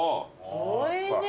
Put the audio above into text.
おいしい！